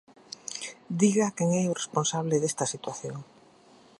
Diga quen é o responsable desta situación.